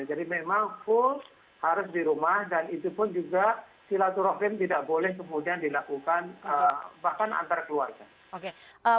jadi memang full harus di rumah dan itu pun juga sholatul rahim tidak boleh kemudian dilakukan bahkan antar keluarga